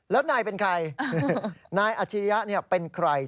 แล้วนายเป็นใครนายอาชิริยะเป็นใคร